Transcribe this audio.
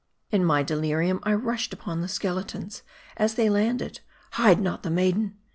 In my delirium I rushed upon the skeletons, as they landed " Hide not the maiden